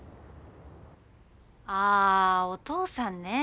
あお父さんね。